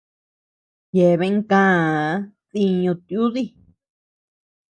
Yeabean käa diñu tiudi.